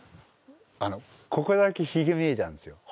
ここだけひげ見えたんですよ。